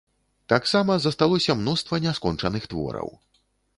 Таксама засталося мноства няскончаных твораў.